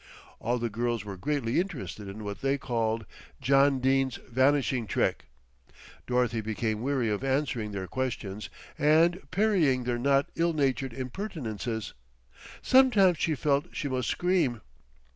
All the girls were greatly interested in what they called "John Dene's vanishing trick." Dorothy became weary of answering their questions and parrying their not ill natured impertinences. Sometimes she felt she must scream.